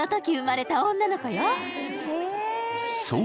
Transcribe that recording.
［そう。